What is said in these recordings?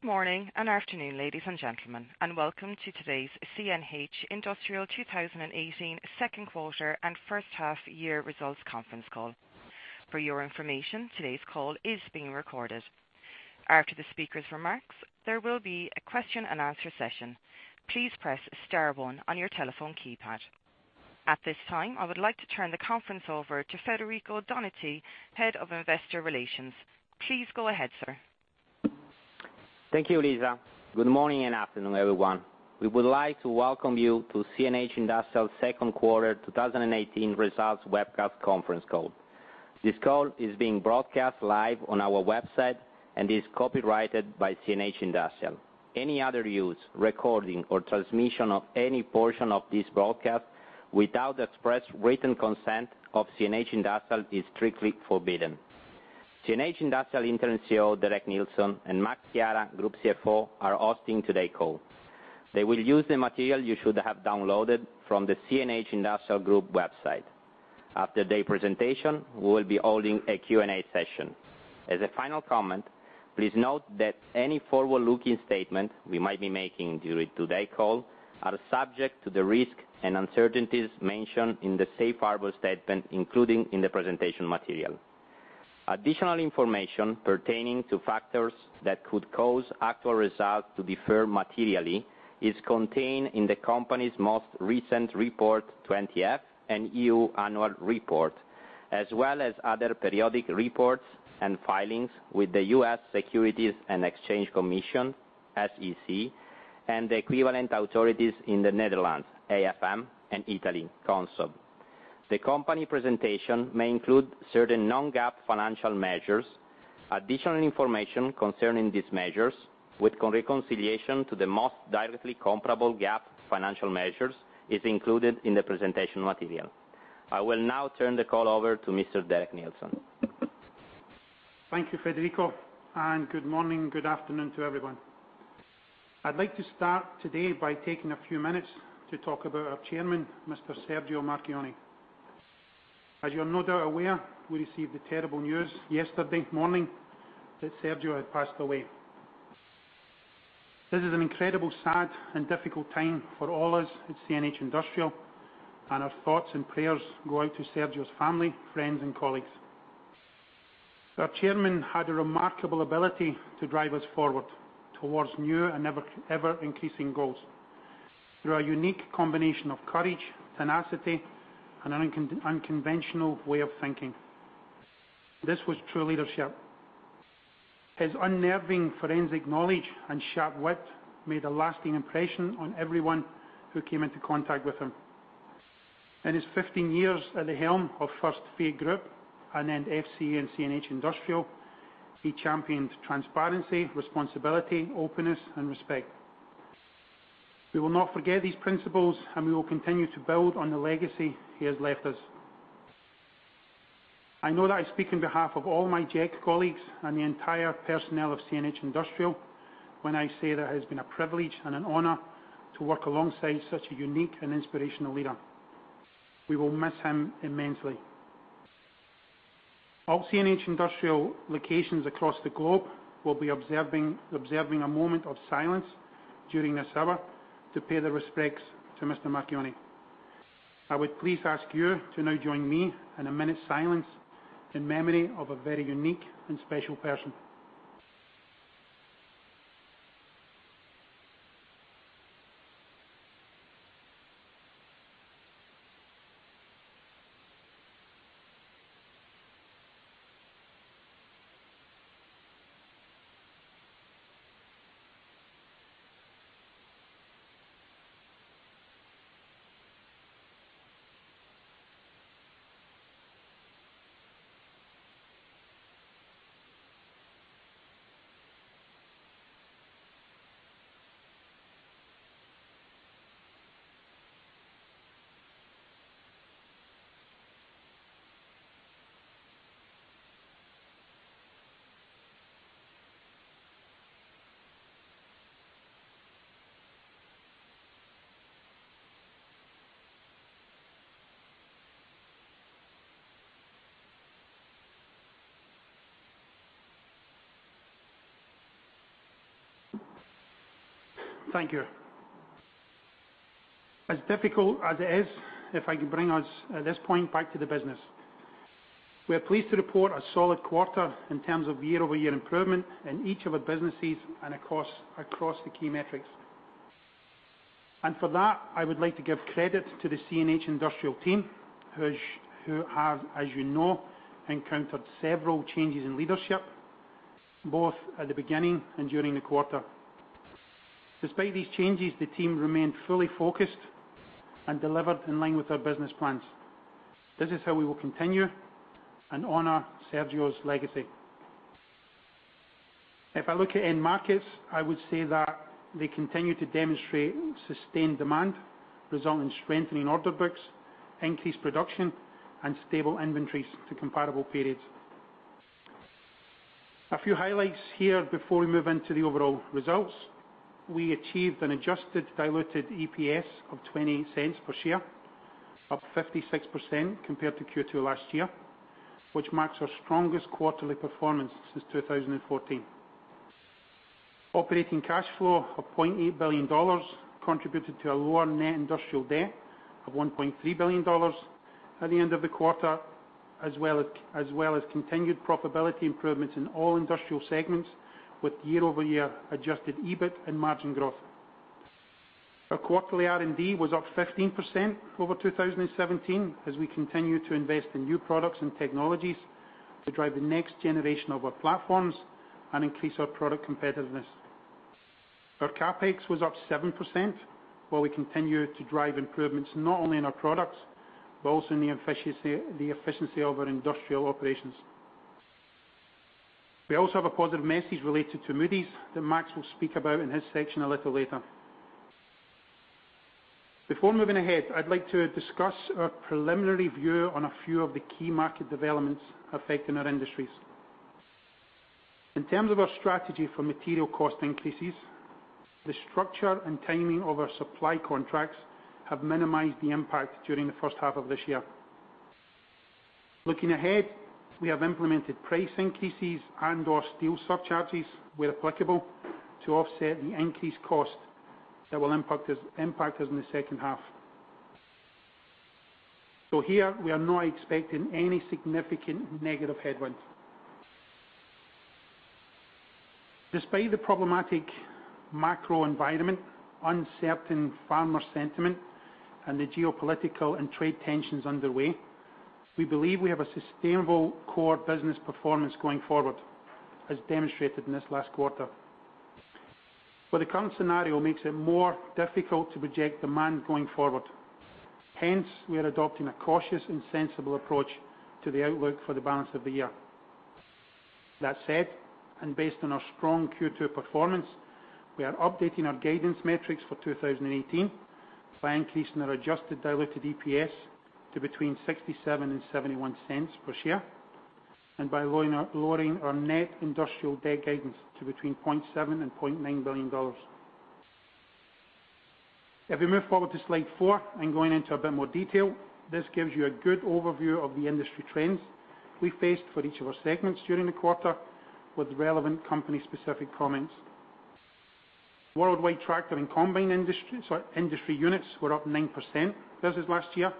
Good morning and afternoon, ladies and gentlemen, and welcome to today's CNH Industrial 2018 second quarter and first-half year results conference call. For your information, today's call is being recorded. After the speakers' remarks, there will be a question and answer session. Please press star one on your telephone keypad. At this time, I would like to turn the conference over to Federico Donati, Head of Investor Relations. Please go ahead, sir. Thank you, Lisa. Good morning and afternoon, everyone. We would like to welcome you to CNH Industrial second quarter 2018 results webcast conference call. This call is being broadcast live on our website and is copyrighted by CNH Industrial. Any other use, recording, or transmission of any portion of this broadcast without the express written consent of CNH Industrial is strictly forbidden. CNH Industrial Interim CEO, Derek Neilson, and Max Chiara, Group CFO, are hosting today's call. They will use the material you should have downloaded from the CNH Industrial Group website. After their presentation, we will be holding a Q&A session. As a final comment, please note that any forward-looking statement we might be making during today's call are subject to the risk and uncertainties mentioned in the safe harbor statement, including in the presentation material. Additional information pertaining to factors that could cause actual results to differ materially is contained in the company's most recent Report 20-F and EU annual report, as well as other periodic reports and filings with the U.S. Securities and Exchange Commission, SEC, and the equivalent authorities in the Netherlands, AFM, and Italy, CONSOB. The company presentation may include certain non-GAAP financial measures. Additional information concerning these measures with reconciliation to the most directly comparable GAAP financial measures is included in the presentation material. I will now turn the call over to Mr. Derek Neilson. Thank you, Federico, and good morning, good afternoon to everyone. I'd like to start today by taking a few minutes to talk about our Chairman, Mr. Sergio Marchionne. As you are no doubt aware, we received the terrible news yesterday morning that Sergio had passed away. This is an incredibly sad and difficult time for all us at CNH Industrial, and our thoughts and prayers go out to Sergio's family, friends, and colleagues. Our Chairman had a remarkable ability to drive us forward towards new and ever-increasing goals through a unique combination of courage, tenacity, and an unconventional way of thinking. This was true leadership. His unnerving forensic knowledge and sharp wit made a lasting impression on everyone who came into contact with him. In his 15 years at the helm of first Fiat Group and then FCA and CNH Industrial, he championed transparency, responsibility, openness, and respect. We will not forget these principles, and we will continue to build on the legacy he has left us. I know that I speak on behalf of all my GEC colleagues and the entire personnel of CNH Industrial when I say that it has been a privilege and an honor to work alongside such a unique and inspirational leader. We will miss him immensely. All CNH Industrial locations across the globe will be observing a moment of silence during this hour to pay their respects to Mr. Marchionne. I would please ask you to now join me in a minute silence in memory of a very unique and special person. Thank you. As difficult as it is, if I can bring us at this point back to the business. We are pleased to report a solid quarter in terms of year-over-year improvement in each of our businesses and across the key metrics. For that, I would like to give credit to the CNH Industrial team, who have, as you know, encountered several changes in leadership, both at the beginning and during the quarter. Despite these changes, the team remained fully focused and delivered in line with our business plans. This is how we will continue and honor Sergio's legacy. If I look at end markets, I would say that they continue to demonstrate sustained demand, resulting in strengthening order books, increased production, and stable inventories to comparable periods. A few highlights here before we move into the overall results. We achieved an adjusted diluted EPS of $0.28 per share. Up 56% compared to Q2 last year, which marks our strongest quarterly performance since 2014. Operating cash flow of $1.8 billion contributed to a lower net industrial debt of $1.3 billion at the end of the quarter, as well as continued profitability improvements in all industrial segments, with year-over-year adjusted EBIT and margin growth. Our quarterly R&D was up 15% over 2017, as we continue to invest in new products and technologies to drive the next generation of our platforms and increase our product competitiveness. Our CapEx was up 7%, while we continue to drive improvements not only in our products, but also in the efficiency of our industrial operations. We also have a positive message related to Moody's that Max will speak about in his section a little later. Before moving ahead, I'd like to discuss our preliminary view on a few of the key market developments affecting our industries. In terms of our strategy for material cost increases, the structure and timing of our supply contracts have minimized the impact during the first half of this year. Looking ahead, we have implemented price increases and/or steel surcharges where applicable, to offset the increased cost that will impact us in the second half. Here, we are not expecting any significant negative headwinds. Despite the problematic macro environment, uncertain farmer sentiment, and the geopolitical and trade tensions underway, we believe we have a sustainable core business performance going forward, as demonstrated in this last quarter. But the current scenario makes it more difficult to project demand going forward. Hence, we are adopting a cautious and sensible approach to the outlook for the balance of the year. That said, based on our strong Q2 performance, we are updating our guidance metrics for 2018 by increasing our adjusted diluted EPS to between $0.67 and $0.71 per share, and by lowering our net industrial debt guidance to between $0.7 billion and $0.9 billion. Going into a bit more detail, this gives you a good overview of the industry trends we faced for each of our segments during the quarter, with relevant company-specific comments. Worldwide tractor and combine industry units were up 9% versus last year.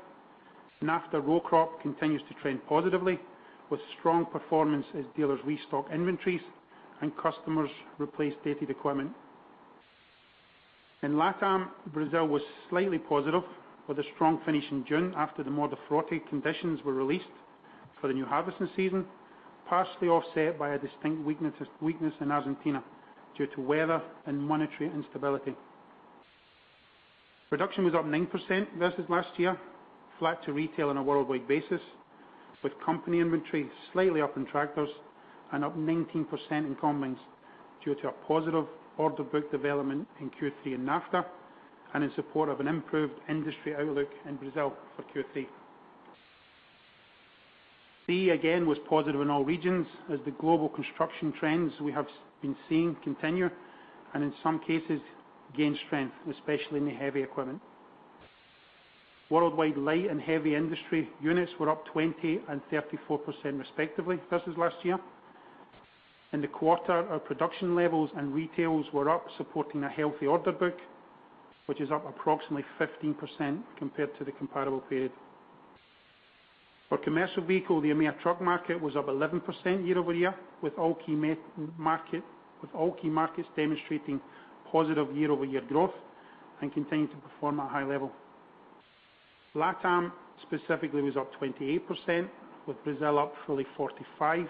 NAFTA row crop continues to trend positively with strong performance as dealers restock inventories and customers replace dated equipment. In LATAM, Brazil was slightly positive with a strong finish in June after the Moderfrota conditions were released for the new harvesting season, partially offset by a distinct weakness in Argentina due to weather and monetary instability. Production was up 9% versus last year, flat to retail on a worldwide basis, with company inventory slightly up in tractors and up 19% in combines, due to a positive order book development in Q3 in NAFTA, and in support of an improved industry outlook in Brazil for Q3. CE, again, was positive in all regions, as the global construction trends we have been seeing continue, and in some cases, gain strength, especially in the heavy equipment. Worldwide light and heavy industry units were up 20 and 34%, respectively, versus last year. In the quarter, our production levels and retails were up, supporting a healthy order book, which is up approximately 15% compared to the comparable period. For commercial vehicle, the EMEA truck market was up 11% year-over-year, with all key markets demonstrating positive year-over-year growth and continuing to perform at a high level. LATAM specifically was up 28%, with Brazil up fully 45%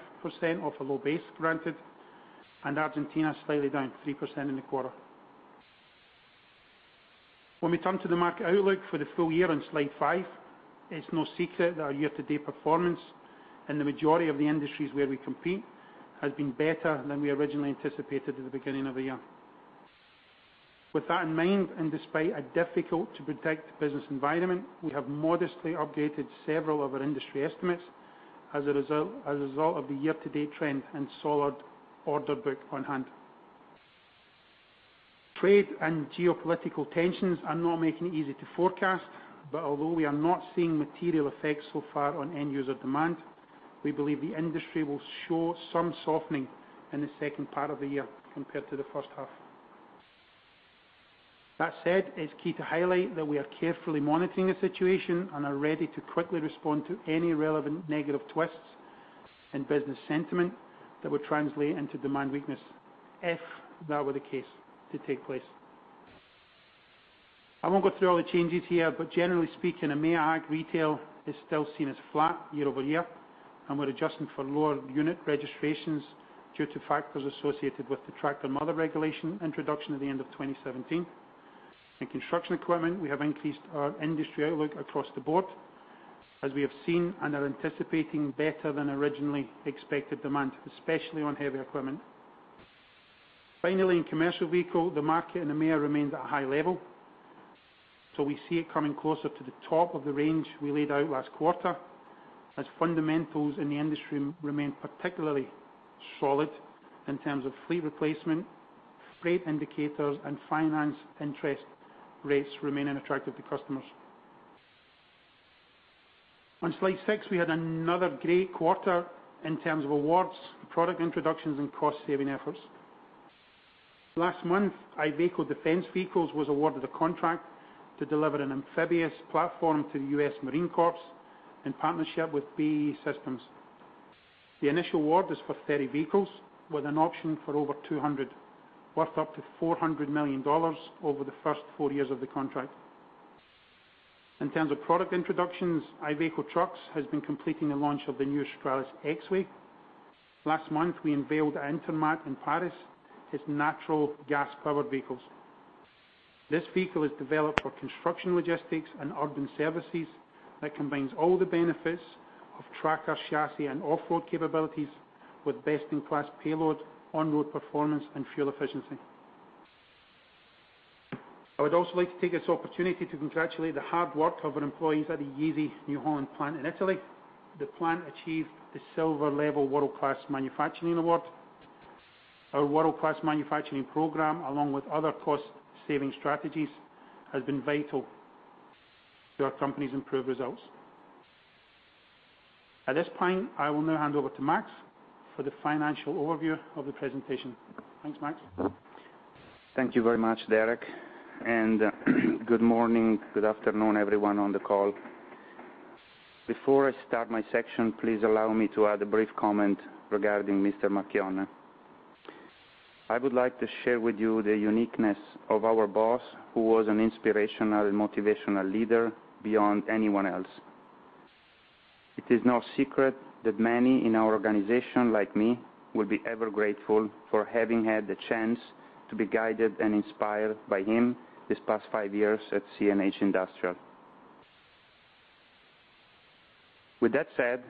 off a low base, granted, and Argentina slightly down 3% in the quarter. When we turn to the market outlook for the full year on slide five, it's no secret that our year-to-date performance in the majority of the industries where we compete has been better than we originally anticipated at the beginning of the year. With that in mind, despite a difficult-to-predict business environment, we have modestly updated several of our industry estimates as a result of the year-to-date trend and solid order book on hand. Although we are not seeing material effects so far on end-user demand, we believe the industry will show some softening in the second part of the year compared to the first half. That said, it's key to highlight that we are carefully monitoring the situation and are ready to quickly respond to any relevant negative twists in business sentiment that would translate into demand weakness, if that were the case to take place. I won't go through all the changes here, but generally speaking, EMEA Ag retail is still seen as flat year-over-year, and we're adjusting for lower unit registrations due to factors associated with the tractor mother regulation introduction at the end of 2017. In construction equipment, we have increased our industry outlook across the board, as we have seen and are anticipating better than originally expected demand, especially on heavy equipment. Finally, in commercial vehicle, the market in EMEA remains at a high level. We see it coming closer to the top of the range we laid out last quarter, as fundamentals in the industry remain particularly solid in terms of fleet replacement growth indicators and finance interest rates remaining attractive to customers. On slide six, we had another great quarter in terms of awards, product introductions, and cost-saving efforts. Last month, Iveco Defence Vehicles was awarded a contract to deliver an amphibious platform to the U.S. Marine Corps in partnership with BAE Systems. The initial award is for 30 vehicles, with an option for over 200, worth up to $400 million over the first four years of the contract. In terms of product introductions, Iveco Trucks has been completing the launch of the new Stralis X-WAY. Last month, we unveiled at Intermat in Paris, its natural gas-powered vehicles. This vehicle is developed for construction, logistics, and urban services that combines all the benefits of tractor, chassis, and off-road capabilities with best-in-class payload, on-road performance, and fuel efficiency. I would also like to take this opportunity to congratulate the hard work of our employees at the Jesi/New Holland plant in Italy. The plant achieved the Silver Level World Class Manufacturing award. Our World Class Manufacturing program, along with other cost-saving strategies, has been vital to our company's improved results. At this point, I will now hand over to Max for the financial overview of the presentation. Thanks, Max. Thank you very much, Derek. Good morning, good afternoon, everyone on the call. Before I start my section, please allow me to add a brief comment regarding Mr. Marchionne. I would like to share with you the uniqueness of our boss, who was an inspirational, motivational leader beyond anyone else. It is no secret that many in our organization, like me, will be ever grateful for having had the chance to be guided and inspired by him this past five years at CNH Industrial. With that said,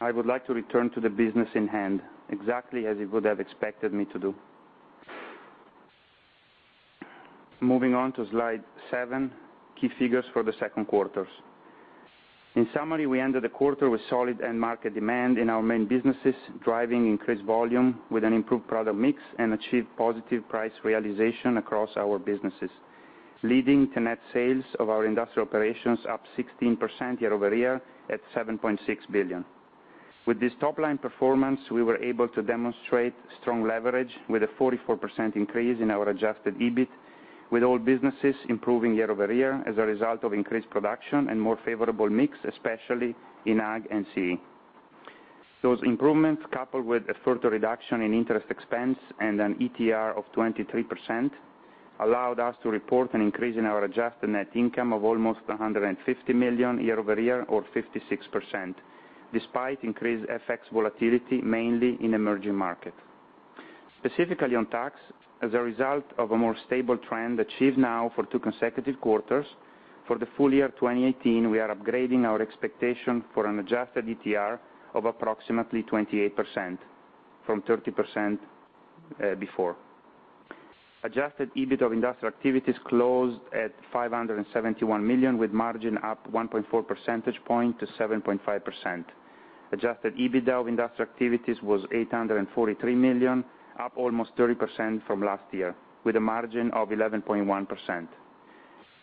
I would like to return to the business in hand, exactly as he would have expected me to do. Moving on to slide seven, key figures for the second quarters. In summary, we ended the quarter with solid end market demand in our main businesses, driving increased volume with an improved product mix and achieved positive price realization across our businesses. Leading to net sales of our industrial operations up 16% year-over-year at $7.6 billion. With this top-line performance, we were able to demonstrate strong leverage with a 44% increase in our adjusted EBIT, with all businesses improving year-over-year as a result of increased production and more favorable mix, especially in Ag and CE. Those improvements, coupled with a further reduction in interest expense and an ETR of 23%, allowed us to report an increase in our adjusted net income of almost $150 million year-over-year or 56%, despite increased FX volatility, mainly in emerging markets. Specifically on tax, as a result of a more stable trend achieved now for two consecutive quarters, for the full year 2018, we are upgrading our expectation for an adjusted ETR of approximately 28%, from 30% before. Adjusted EBIT of industrial activities closed at $571 million, with margin up 1.4 percentage point to 7.5%. Adjusted EBITDA of industrial activities was $843 million, up almost 30% from last year, with a margin of 11.1%.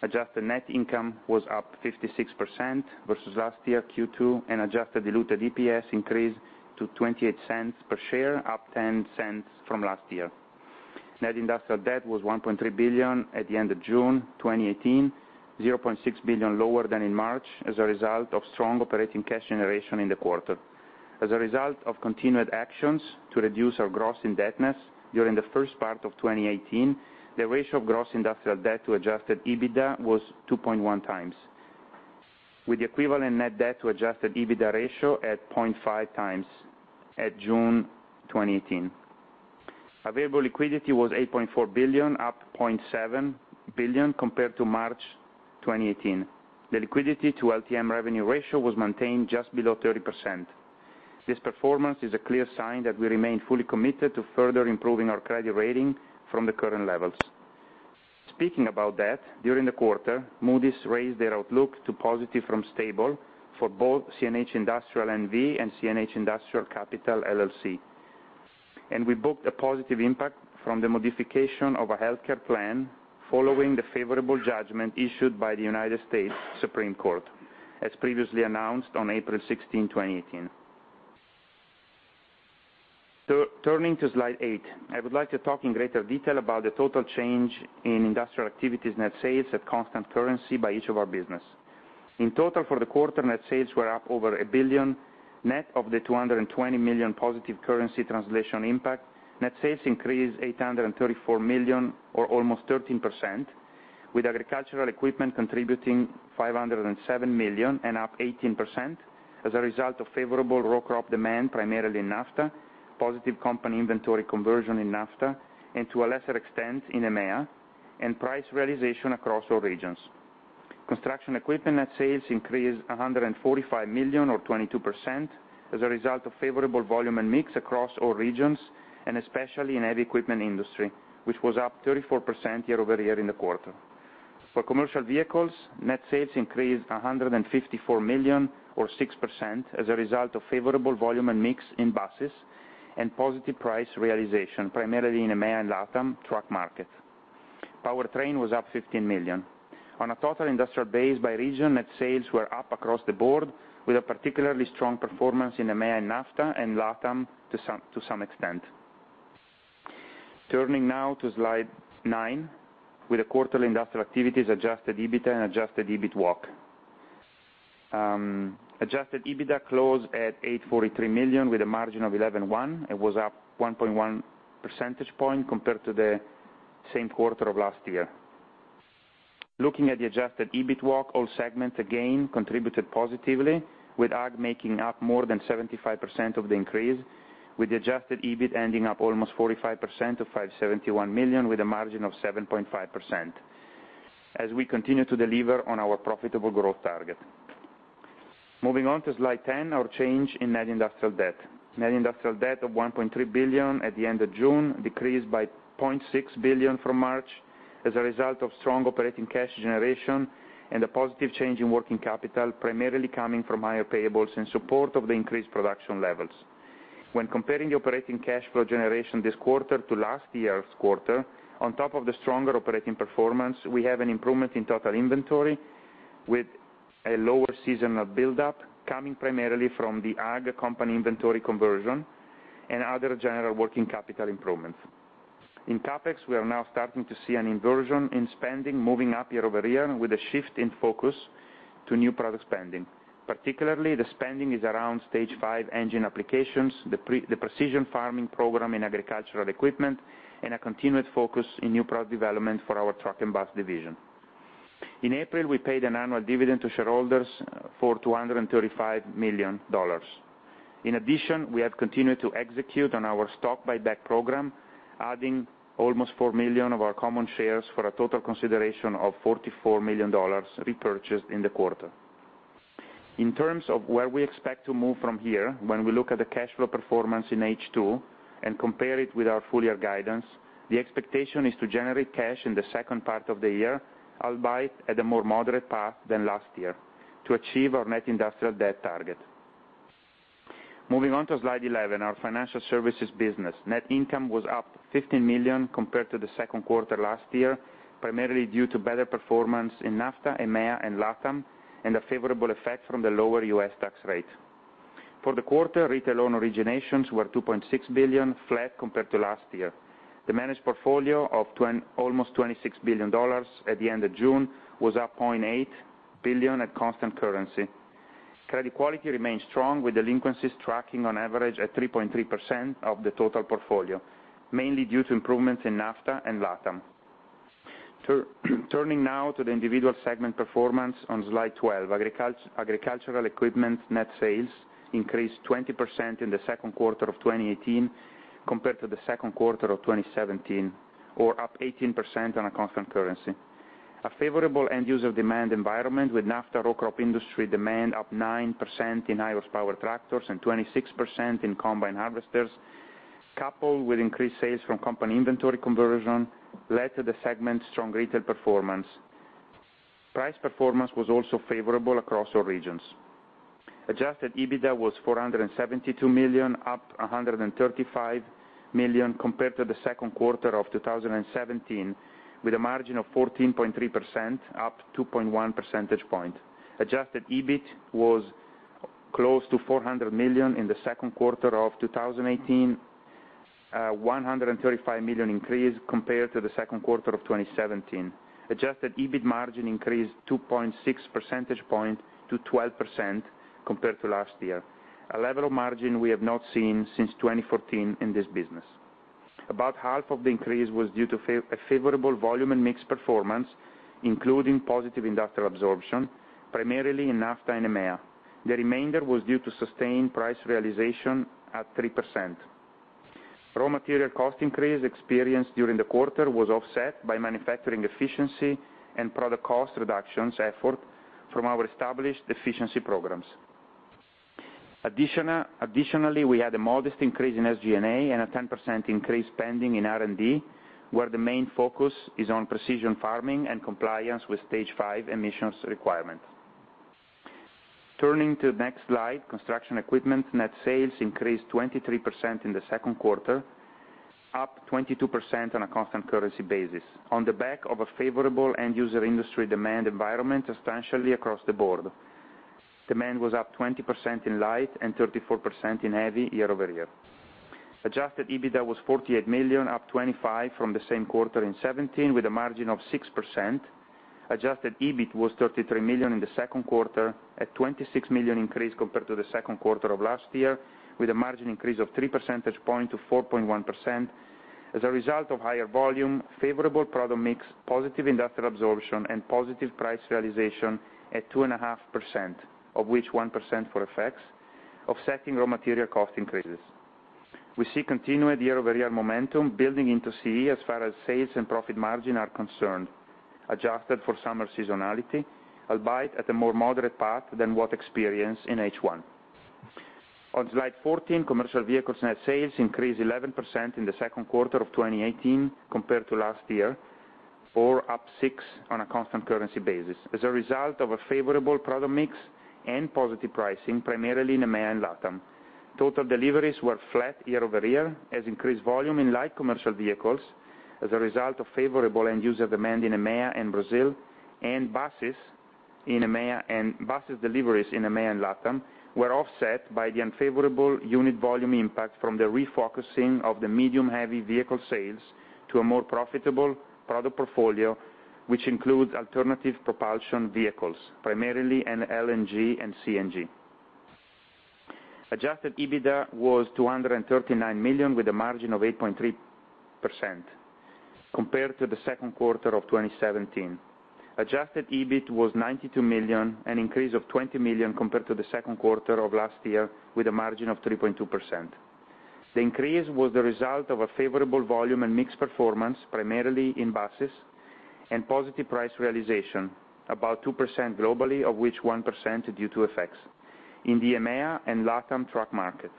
Adjusted net income was up 56% versus last year Q2, and adjusted diluted EPS increased to $0.28 per share, up $0.10 from last year. Net industrial debt was $1.3 billion at the end of June 2018, $0.6 billion lower than in March, as a result of strong operating cash generation in the quarter. As a result of continued actions to reduce our gross indebtedness during the first part of 2018, the ratio of gross industrial debt to adjusted EBITDA was 2.1 times, with the equivalent net debt to adjusted EBITDA ratio at 0.5 times at June 2018. Available liquidity was $8.4 billion, up $0.7 billion compared to March 2018. The liquidity to LTM revenue ratio was maintained just below 30%. This performance is a clear sign that we remain fully committed to further improving our credit rating from the current levels. Speaking about that, during the quarter, Moody's raised their outlook to positive from stable for both CNH Industrial N.V. and CNH Industrial Capital LLC. We booked a positive impact from the modification of a healthcare plan following the favorable judgment issued by the United States Supreme Court, as previously announced on April 16, 2018. Turning to slide eight, I would like to talk in greater detail about the total change in industrial activities net sales at constant currency by each of our business. In total, for the quarter, net sales were up over $1 billion, net of the $220 million positive currency translation impact. Net sales increased $834 million or almost 13%, with agricultural equipment contributing $507 million and up 18%, as a result of favorable raw crop demand, primarily in NAFTA, positive company inventory conversion in NAFTA, and to a lesser extent in EMEA, and price realization across all regions. Construction equipment net sales increased $145 million or 22%, as a result of favorable volume and mix across all regions, and especially in heavy equipment industry, which was up 34% year-over-year in the quarter. For commercial vehicles, net sales increased $154 million, or 6%, as a result of favorable volume and mix in buses and positive price realization, primarily in EMEA and LATAM truck market. Powertrain was up $15 million. On a total industrial base by region, net sales were up across the board, with a particularly strong performance in EMEA and NAFTA and LATAM to some extent. Turning now to slide nine, with the quarterly industrial activities adjusted EBITDA and adjusted EBIT walk. Adjusted EBITDA closed at $843 million with a margin of 11.1%. It was up 1.1 percentage point compared to the same quarter of last year. Looking at the adjusted EBIT walk, all segments again contributed positively, with Ag making up more than 75% of the increase, with the adjusted EBIT ending up almost 45% to $571 million with a margin of 7.5%, as we continue to deliver on our profitable growth target. Moving on to slide 10, our change in net industrial debt. Net industrial debt of $1.3 billion at the end of June decreased by $0.6 billion from March as a result of strong operating cash generation and a positive change in working capital, primarily coming from higher payables in support of the increased production levels. When comparing the operating cash flow generation this quarter to last year's quarter, on top of the stronger operating performance, we have an improvement in total inventory with a lower seasonal buildup coming primarily from the Ag company inventory conversion and other general working capital improvements. In CapEx, we are now starting to see an inversion in spending moving up year-over-year with a shift in focus to new product spending. Particularly, the spending is around Stage V engine applications, the precision farming program in agricultural equipment, and a continued focus in new product development for our truck and bus division. In April, we paid an annual dividend to shareholders for $235 million. In addition, we have continued to execute on our stock buyback program, adding almost 4 million of our common shares for a total consideration of $44 million repurchased in the quarter. In terms of where we expect to move from here, when we look at the cash flow performance in H2 and compare it with our full-year guidance, the expectation is to generate cash in the second part of the year, albeit at a more moderate path than last year to achieve our net industrial debt target. Moving on to slide 11, our financial services business. Net income was up $15 million compared to the second quarter last year, primarily due to better performance in NAFTA, EMEA, and LATAM, and a favorable effect from the lower U.S. tax rate. For the quarter, retail loan originations were $2.6 billion, flat compared to last year. The managed portfolio of almost $26 billion at the end of June was up $0.8 billion at constant currency. Credit quality remains strong, with delinquencies tracking on average at 3.3% of the total portfolio, mainly due to improvements in NAFTA and LATAM. Turning now to the individual segment performance on slide 12. Agricultural equipment net sales increased 20% in the second quarter of 2018 compared to the second quarter of 2017, or up 18% on a constant currency. A favorable end user demand environment with NAFTA row crop industry demand up 9% in highest power tractors and 26% in combine harvesters, coupled with increased sales from company inventory conversion led to the segment's strong retail performance. Price performance was also favorable across all regions. Adjusted EBITDA was $472 million, up $135 million compared to the second quarter of 2017, with a margin of 14.3%, up 2.1 percentage point. Adjusted EBIT was close to $400 million in the second quarter of 2018, a $135 million increase compared to the second quarter of 2017. Adjusted EBIT margin increased 2.6 percentage point to 12% compared to last year, a level of margin we have not seen since 2014 in this business. About half of the increase was due to a favorable volume and mix performance, including positive industrial absorption, primarily in NAFTA and EMEA. The remainder was due to sustained price realization at 3%. Raw material cost increase experienced during the quarter was offset by manufacturing efficiency and product cost reductions effort from our established efficiency programs. Additionally, we had a modest increase in SG&A and a 10% increase spending in R&D, where the main focus is on precision farming and compliance with Stage V emissions requirements. Turning to the next slide, construction equipment net sales increased 23% in the second quarter, up 22% on a constant currency basis on the back of a favorable end user industry demand environment substantially across the board. Demand was up 20% in light and 34% in heavy year-over-year. Adjusted EBITDA was $48 million, up $25 million from the same quarter in 2017, with a margin of 6%. Adjusted EBIT was $33 million in the second quarter at a $26 million increase compared to the second quarter of last year, with a margin increase of three percentage point to 4.1%, as a result of higher volume, favorable product mix, positive industrial absorption, and positive price realization at 2.5%, of which 1% for FX, offsetting raw material cost increases. We see continued year-over-year momentum building into CE as far as sales and profit margin are concerned, adjusted for summer seasonality, albeit at a more moderate path than what experienced in H1. On slide 14, commercial vehicles net sales increased 11% in the second quarter of 2018 compared to last year, or up 6% on a constant currency basis. As a result of a favorable product mix and positive pricing, primarily in EMEA and LATAM. Total deliveries were flat year-over-year, as increased volume in light commercial vehicles as a result of favorable end-user demand in EMEA and Brazil, and buses deliveries in EMEA and LATAM were offset by the unfavorable unit volume impact from the refocusing of the medium heavy vehicle sales to a more profitable product portfolio, which includes alternative propulsion vehicles, primarily an LNG and CNG. Adjusted EBITDA was $239 million with a margin of 8.3%, compared to the second quarter of 2017. Adjusted EBIT was $92 million, an increase of $20 million compared to the second quarter of last year, with a margin of 3.2%. The increase was the result of a favorable volume and mix performance, primarily in buses, and positive price realization, about 2% globally, of which 1% due to FX in the EMEA and LATAM truck market.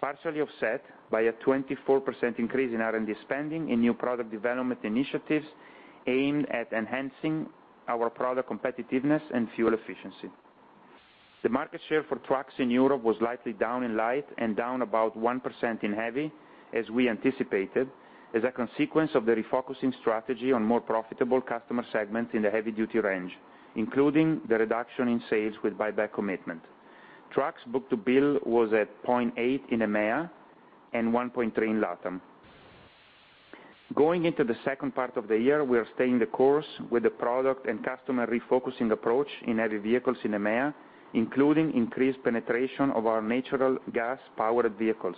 Partially offset by a 24% increase in R&D spending in new product development initiatives aimed at enhancing our product competitiveness and fuel efficiency. The market share for trucks in Europe was slightly down in light and down about 1% in heavy, as we anticipated, as a consequence of the refocusing strategy on more profitable customer segments in the heavy-duty range, including the reduction in sales with buyback commitment. Trucks book-to-bill was at 0.8 in EMEA and 1.3 in LATAM. Going into the second part of the year, we are staying the course with the product and customer refocusing approach in heavy vehicles in EMEA, including increased penetration of our natural gas-powered vehicles,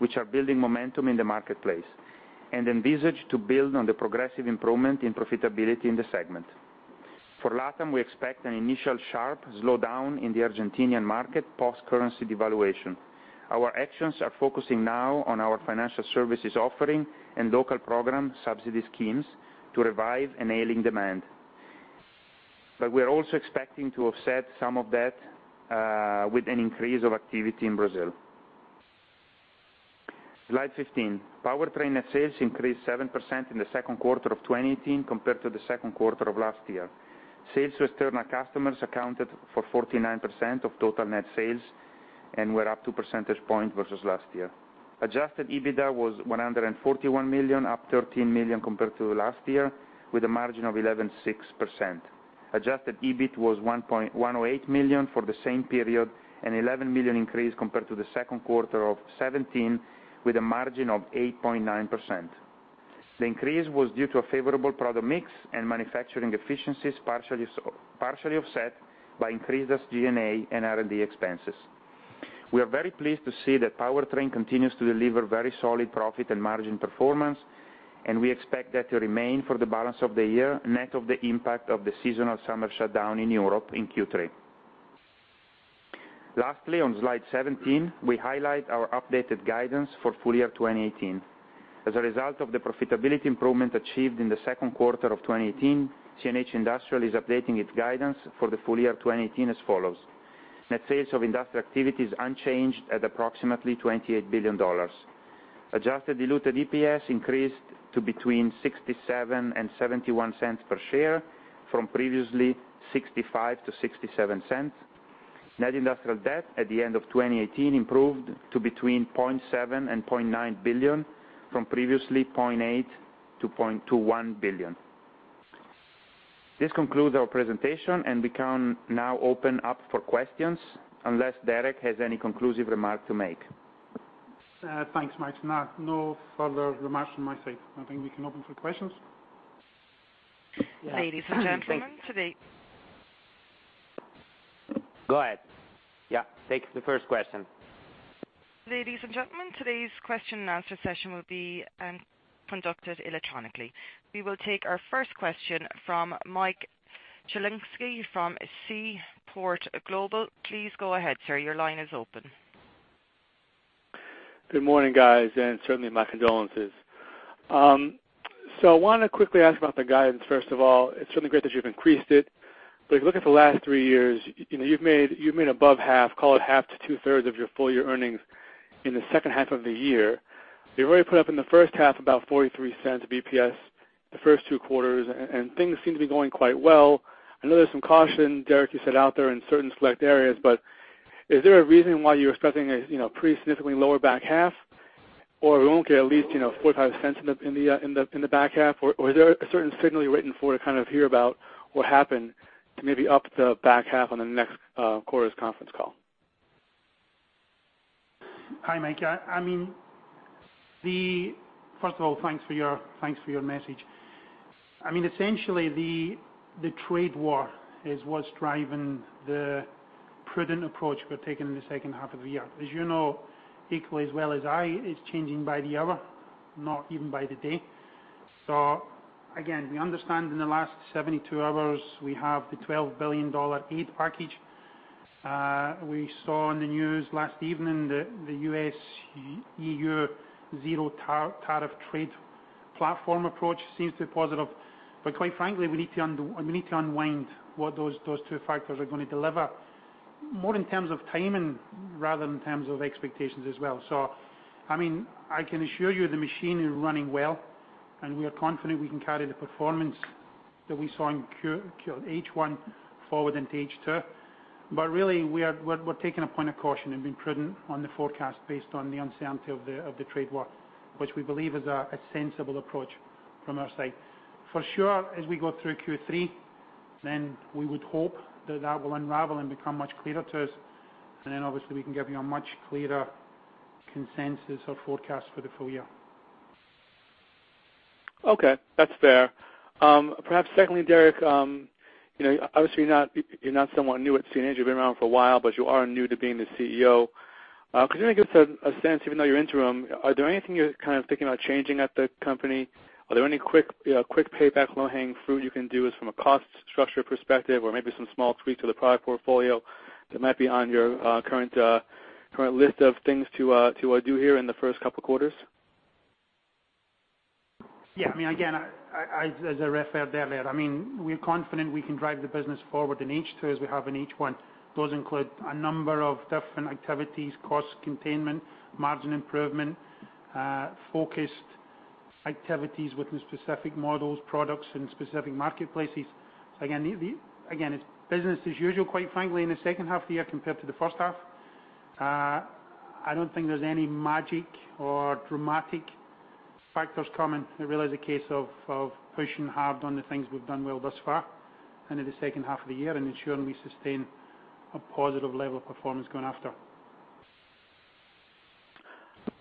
which are building momentum in the marketplace, and envisage to build on the progressive improvement in profitability in the segment. For LATAM, we expect an initial sharp slowdown in the Argentinian market post-currency devaluation. Our actions are focusing now on our financial services offering and local program subsidy schemes to revive an ailing demand. We are also expecting to offset some of that with an increase of activity in Brazil. Slide 15. Powertrain net sales increased 7% in the second quarter of 2018 compared to the second quarter of last year. Sales to external customers accounted for 49% of total net sales and were up 2 percentage point versus last year. Adjusted EBITDA was $141 million, up $13 million compared to last year, with a margin of 11.6%. Adjusted EBIT was $108 million for the same period, an $11 million increase compared to the second quarter of 2017, with a margin of 8.9%. The increase was due to a favorable product mix and manufacturing efficiencies, partially offset by increased SG&A and R&D expenses. We are very pleased to see that Powertrain continues to deliver very solid profit and margin performance, and we expect that to remain for the balance of the year, net of the impact of the seasonal summer shutdown in Europe in Q3. Lastly, on slide 17, we highlight our updated guidance for full-year 2018. As a result of the profitability improvement achieved in the second quarter of 2018, CNH Industrial is updating its guidance for the full year 2018 as follows: Net sales of industrial activities unchanged at approximately $28 billion. Adjusted diluted EPS increased to between $0.67 and $0.71 per share from previously $0.65 to $0.67. Net industrial debt at the end of 2018 improved to between $0.7 billion and $0.9 billion, from previously $0.8 billion to $1 billion. This concludes our presentation, and we can now open up for questions, unless Derek has any conclusive remark to make. Thanks, Max. No further remarks on my side. I think we can open for questions. Ladies and gentlemen. Go ahead. Yeah, take the first question. Ladies and gentlemen, today's question and answer session will be conducted electronically. We will take our first question from Michael Shlisky from Seaport Global. Please go ahead, sir. Your line is open. Good morning, guys, and certainly my condolences. I want to quickly ask about the guidance, first of all. It's certainly great that you've increased it. If you look at the last three years, you've made above half, call it half to two-thirds of your full-year earnings in the second half of the year. You've already put up in the first half about [43 basis points] the first two quarters, and things seem to be going quite well. I know there's some caution, Derek, you said out there in certain select areas, is there a reason why you're expecting a pretty significantly lower back half? We won't get at least $0.04 or $0.05 in the back half? Is there a certain signal you're waiting for to hear about what happened to maybe up the back half on the next quarter's conference call? Hi, Mike. First of all, thanks for your message. Essentially, the trade war is what's driving the prudent approach we're taking in the second half of the year. As you know equally as well as I, it's changing by the hour, not even by the day. Again, we understand in the last 72 hours, we have the $12 billion aid package. We saw on the news last evening the U.S.-EU zero tariff trade platform approach seems to be positive, but quite frankly, we need to unwind what those two factors are going to deliver more in terms of timing rather than in terms of expectations as well. I can assure you the machine is running well, and we are confident we can carry the performance that we saw in H1 forward into H2. Really we're taking a point of caution and being prudent on the forecast based on the uncertainty of the trade war, which we believe is a sensible approach from our side. For sure, as we go through Q3, we would hope that that will unravel and become much clearer to us, and obviously we can give you a much clearer consensus or forecast for the full year. Okay. That's fair. Perhaps secondly, Derek, obviously you're not someone new at CNH, you've been around for a while, but you are new to being the CEO. Could you maybe give us a sense, even though you're interim, are there anything you're kind of thinking about changing at the company? Are there any quick payback, low-hanging fruit you can do just from a cost structure perspective or maybe some small tweaks to the product portfolio that might be on your current list of things to do here in the first couple of quarters? Yeah. Again, as I referred earlier, we're confident we can drive the business forward in H2 as we have in H1. Those include a number of different activities, cost containment, margin improvement, focused activities within specific models, products in specific marketplaces. Again, it's business as usual, quite frankly, in the second half of the year compared to the first half. I don't think there's any magic or dramatic factors coming. I realize a case of pushing hard on the things we've done well thus far into the second half of the year and ensuring we sustain a positive level of performance going after.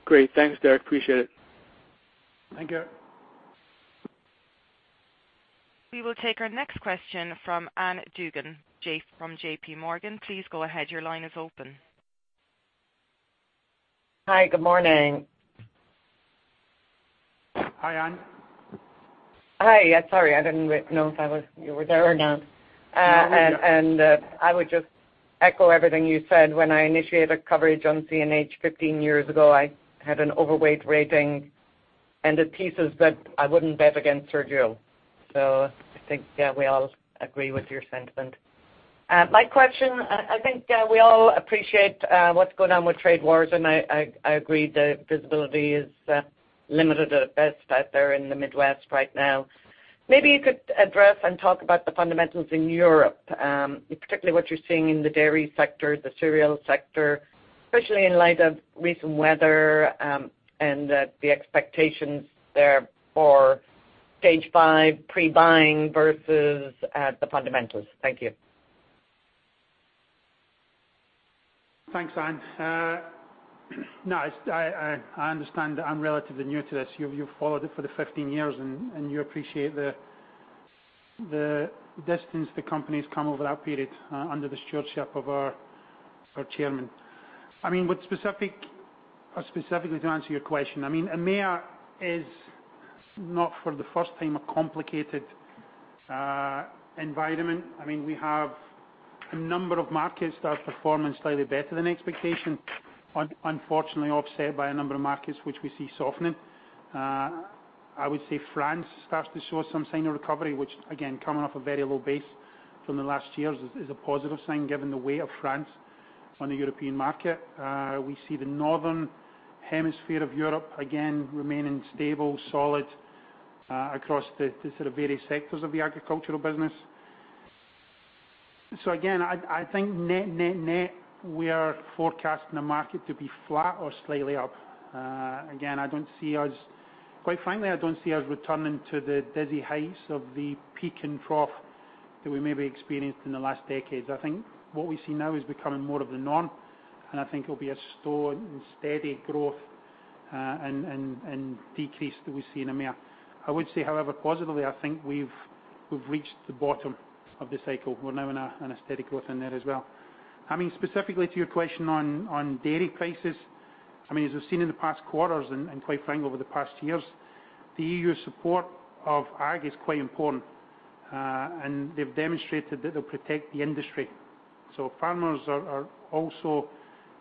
Great. Thanks, Derek. Appreciate it. Thank you. We will take our next question from Ann Duignan from JPMorgan. Please go ahead. Your line is open. Hi, good morning. Hi, Ann. Hi. Yeah, sorry. I didn't know if you were there or not. You were here. I would just echo everything you said. When I initiated coverage on CNH 15 years ago, I had an overweight rating and the thesis that I wouldn't bet against Sergio. I think, yeah, we all agree with your sentiment. My question, I think we all appreciate what's going on with trade wars, and I agree the visibility is limited at best out there in the Midwest right now. Maybe you could address and talk about the fundamentals in Europe, particularly what you're seeing in the dairy sector, the cereal sector, especially in light of recent weather, and the expectations there for Stage V pre-buying versus the fundamentals. Thank you. Thanks, Ann. I understand I'm relatively new to this. You've followed it for the 15 years, and you appreciate the distance the company's come over that period under the stewardship of our chairman. Specifically to answer your question, EMEA is not for the first time, a complicated environment. We have a number of markets that are performing slightly better than expectation, unfortunately offset by a number of markets which we see softening. I would say France starts to show some sign of recovery, which again, coming off a very low base from the last years is a positive sign given the weight of France on the European market. We see the northern hemisphere of Europe, again, remaining stable, solid, across the sort of various sectors of the agricultural business. Again, I think net, net, we are forecasting the market to be flat or slightly up. Quite frankly, I don't see us returning to the dizzy heights of the peak and trough that we maybe experienced in the last decades. I think what we see now is becoming more of the norm, and I think it'll be a slow and steady growth, and decrease that we see in EMEA. I would say, however, positively, I think we've reached the bottom of the cycle. We're now in a steady growth in there as well. Specifically to your question on dairy prices, as we've seen in the past quarters, and quite frankly, over the past years, the EU support of Ag is quite important. They've demonstrated that they'll protect the industry. Farmers are also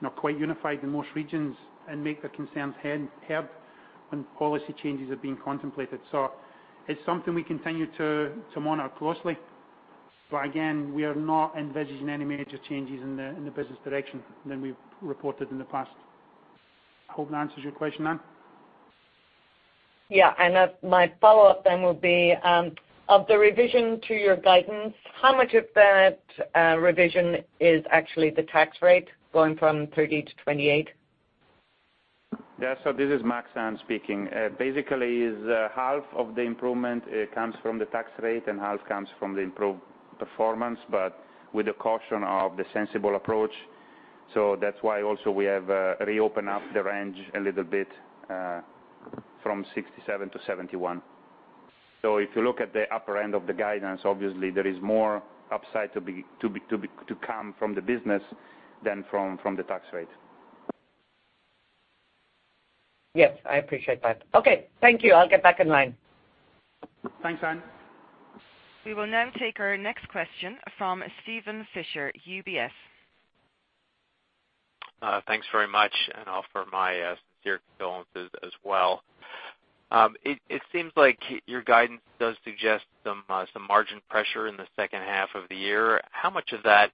now quite unified in most regions and make their concerns heard when policy changes are being contemplated. It's something we continue to monitor closely. Again, we are not envisaging any major changes in the business direction than we've reported in the past. Hope that answers your question, Ann. Yeah. My follow-up then would be, of the revision to your guidance, how much of that revision is actually the tax rate going from 30 to 28? This is Max, Ann, speaking. Half of the improvement comes from the tax rate, half comes from the improved performance, with the caution of the sensible approach. That is why also we have reopened up the range a little bit, from 67 to 71. If you look at the upper end of the guidance, obviously there is more upside to come from the business than from the tax rate. I appreciate that. Thank you. I'll get back in line. Thanks, Ann. We will now take our next question from Steven Fisher, UBS. Thanks very much, and offer my sincere condolences as well. It seems like your guidance does suggest some margin pressure in the second half of the year. How much of that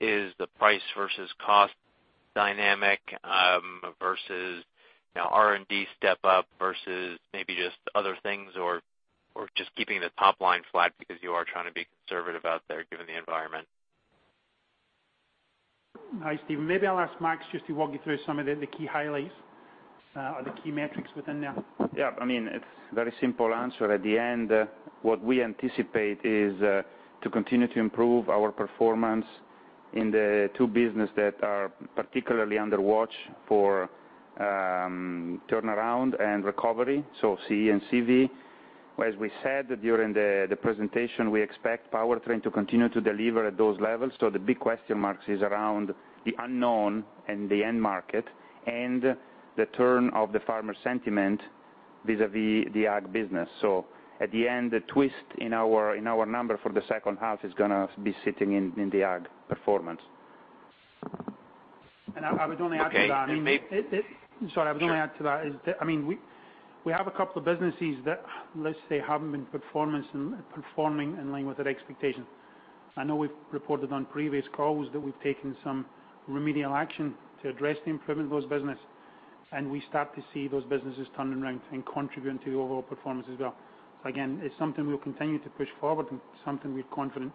is the price versus cost dynamic, versus R&D step up, versus maybe just other things, or just keeping the top line flat because you are trying to be conservative out there given the environment? Hi, Steven. Maybe I'll ask Max just to walk you through some of the key highlights or the key metrics within there. Yeah. It's very simple answer. At the end, what we anticipate is to continue to improve our performance in the two business that are particularly under watch for turnaround and recovery, CE and CV. As we said during the presentation, we expect Powertrain to continue to deliver at those levels. The big question mark is around the unknown and the end market, and the turn of the farmer sentiment vis-a-vis the Ag business. At the end, the twist in our number for the second half is going to be sitting in the Ag performance. I would only add to that. Okay. Sorry, I was going to add to that, we have a couple of businesses that, let's say, haven't been performing in line with their expectation. I know we've reported on previous calls that we've taken some remedial action to address the improvement of those businesses, and we start to see those businesses turning around and contributing to the overall performance as well. Again, it's something we'll continue to push forward and something we're confident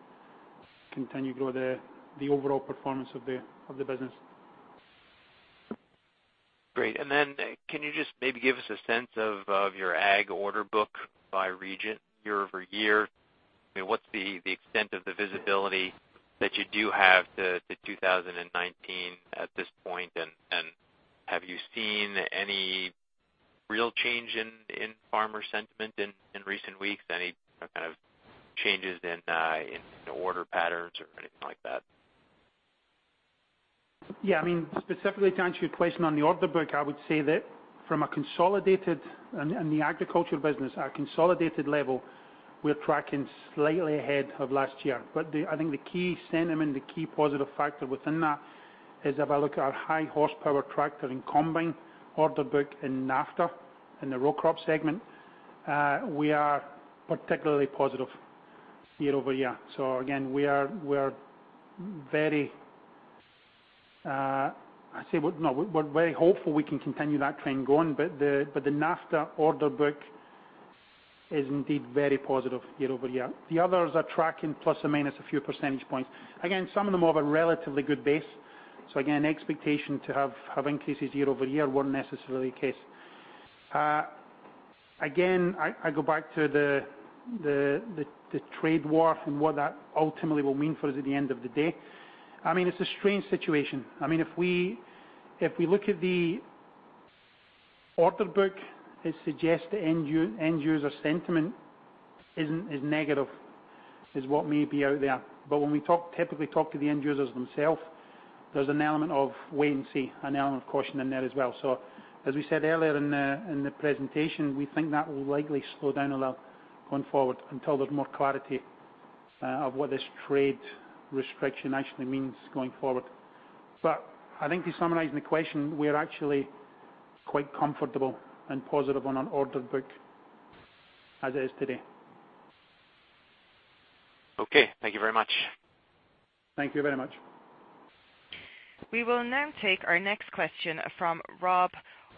continue to grow the overall performance of the business. Great. Can you just maybe give us a sense of your Ag order book by region year-over-year? What's the extent of the visibility that you do have to 2019 at this point? Have you seen any real change in farmer sentiment in recent weeks? Any kind of changes in order patterns or anything like that? Yeah. Specifically to answer your question on the order book, I would say that from a consolidated, and the agricultural business, our consolidated level, we are tracking slightly ahead of last year. I think the key sentiment, the key positive factor within that, is if I look at our high horsepower tractor and combine order book in NAFTA, in the raw crop segment, we are particularly positive year-over-year. Again, we're very hopeful we can continue that trend going, but the NAFTA order book is indeed very positive year-over-year. The others are tracking +/- a few percentage points. Again, some of them have a relatively good base. Again, expectation to have increases year-over-year weren't necessarily the case. Again, I go back to the trade war and what that ultimately will mean for us at the end of the day. It's a strange situation. If we look at the order book, it suggests the end user sentiment isn't as negative as what may be out there. When we typically talk to the end users themselves, there's an element of wait and see, an element of caution in there as well. As we said earlier in the presentation, we think that will likely slow down a lot going forward until there's more clarity of what this trade restriction actually means going forward. I think to summarize the question, we are actually quite comfortable and positive on our order book as it is today. Okay. Thank you very much. Thank you very much. We will now take our next question from Rob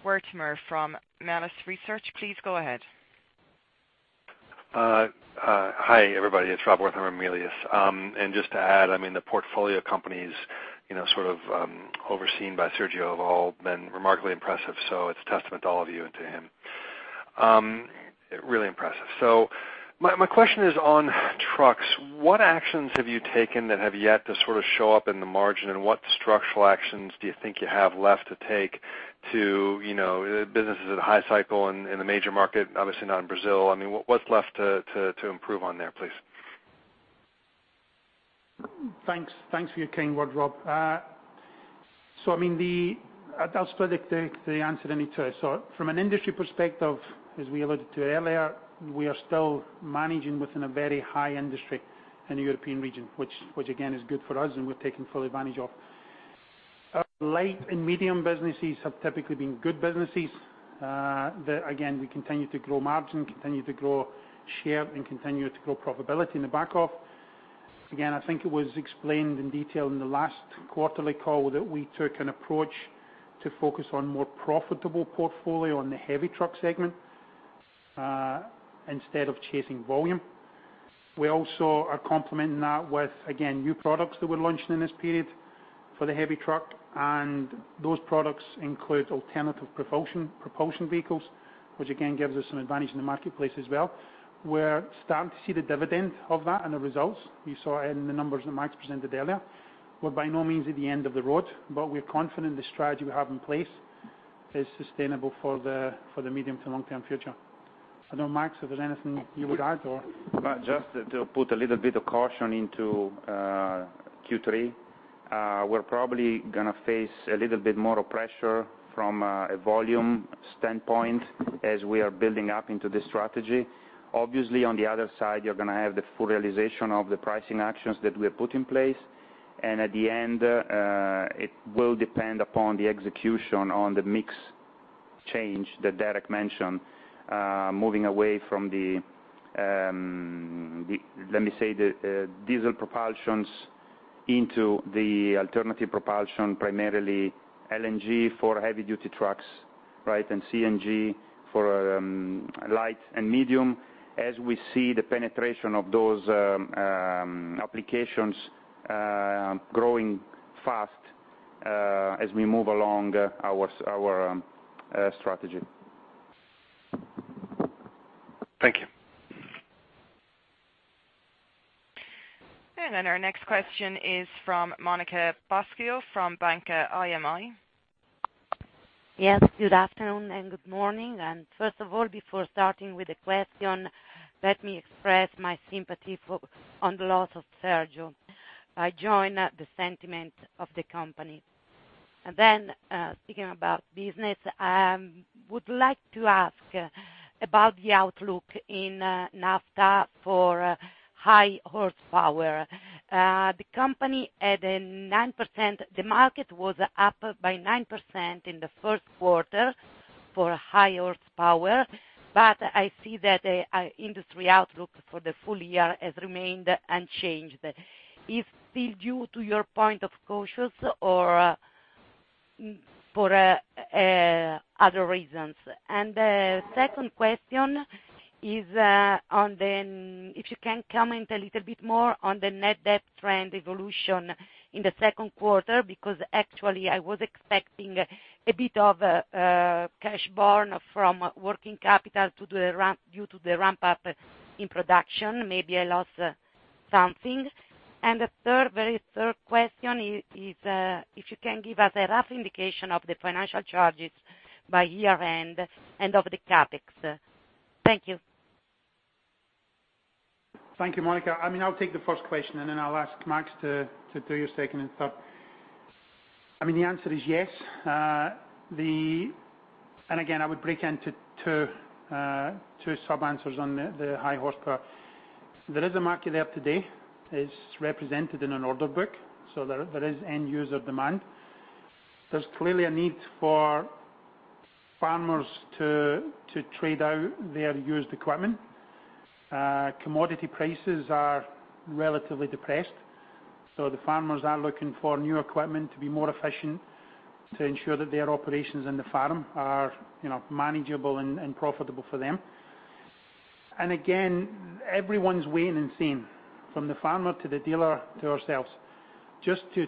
Wertheimer from Melius Research. Please go ahead. Hi, everybody. It's Rob Wertheimer, Melius. Just to add, the portfolio companies sort of overseen by Sergio have all been remarkably impressive, so it's a testament to all of you and to him. Really impressive. My question is on trucks. What actions have you taken that have yet to sort of show up in the margin, and what structural actions do you think you have left to take to, businesses at a high cycle in the major market, obviously not in Brazil. What's left to improve on there, please? Thanks for your kind word, Rob. I'll split the answer in two. From an industry perspective, as we alluded to earlier, we are still managing within a very high industry in the European region, which again is good for us and we're taking full advantage of. Our light and medium businesses have typically been good businesses. Again, we continue to grow margin, continue to grow share, and continue to grow profitability in the back half. Again, I think it was explained in detail in the last quarterly call that we took an approach to focus on more profitable portfolio on the heavy truck segment, instead of chasing volume. We also are complementing that with, again, new products that we're launching in this period for the heavy truck, and those products include alternative propulsion vehicles, which again gives us some advantage in the marketplace as well. We're starting to see the dividend of that and the results we saw in the numbers that Max presented earlier. We are by no means at the end of the road, we are confident the strategy we have in place is sustainable for the medium to long-term future. I don't know, Max, if there's anything you would add or? Just to put a little bit of caution into Q3. We're probably going to face a little bit more pressure from a volume standpoint as we are building up into this strategy. Obviously, on the other side, you're going to have the full realization of the pricing actions that we have put in place. At the end, it will depend upon the execution on the mix change that Derek mentioned, moving away from the, let me say, the diesel propulsions into the alternative propulsion, primarily LNG for heavy duty trucks, right? CNG for light and medium. As we see the penetration of those applications growing fast as we move along our strategy. Thank you. Our next question is from Monica Bosio from Banca IMI. Yes, good afternoon and good morning. First of all, before starting with the question, let me express my sympathy on the loss of Sergio. I join the sentiment of the company. Speaking about business, I would like to ask about the outlook in NAFTA for high horsepower. The market was up by 9% in the first quarter for high horsepower, but I see that industry outlook for the full year has remained unchanged. Is still due to your point of cautious or for other reasons? The second question is if you can comment a little bit more on the net debt trend evolution in the second quarter, because actually I was expecting a bit of cash burn from working capital due to the ramp-up in production. Maybe I lost something. The very third question is if you can give us a rough indication of the financial charges by year-end and of the CapEx. Thank you. Thank you, Monica. I'll take the first question, then I'll ask Max to do your second and third. The answer is yes. Again, I would break into two sub-answers on the high horsepower. There is a market there today. It's represented in an order book. There is end user demand. There's clearly a need for farmers to trade out their used equipment. Commodity prices are relatively depressed, the farmers are looking for new equipment to be more efficient to ensure that their operations in the farm are manageable and profitable for them. Again, everyone's waiting and seeing, from the farmer to the dealer to ourselves, just to